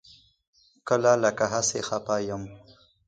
کله لکه هسې خپه یم.